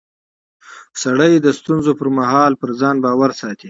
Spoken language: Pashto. سړی د ستونزو پر مهال پر ځان باور ساتي